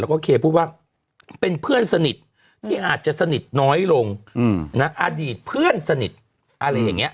แล้วก็เคพูดว่าเป็นเพื่อนสนิทที่อาจจะสนิทน้อยลงอดีตเพื่อนสนิทอะไรอย่างนี้